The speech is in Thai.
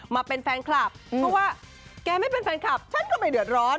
มาเป็นแฟนคลับเพราะว่าแกไม่เป็นแฟนคลับฉันก็ไม่เดือดร้อน